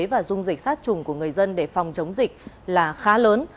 và dung dịch sát trùng của người dân để phòng chống dịch là khá lớn